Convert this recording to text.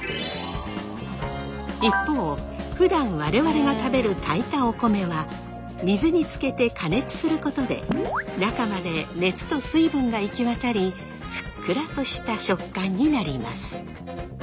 一方ふだん我々が食べる炊いたお米は水につけて加熱することで中まで熱と水分が行き渡りふっくらとした食感になります。